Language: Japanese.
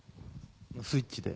スイッチで。